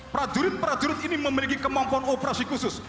prajurit prajurit ini memiliki kemampuan operasi khusus